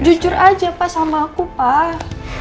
jujur aja pak sama aku pak